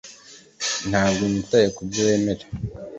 Ntabwo nitaye kubyo wemera